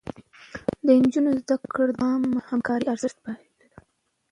د نجونو زده کړه د عامه همکارۍ ارزښت پالي.